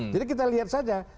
jadi kita lihat saja